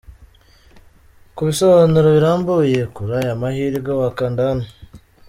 Ku bisobanuro birambuye kuri aya mahirwe wakanda hano